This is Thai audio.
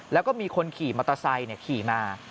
แล้วก็มีคนขี่มอเตอร์ไซค์ขี่มา